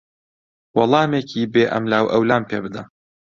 وەڵامێکی بێ ئەملاوئەولام پێ بدە.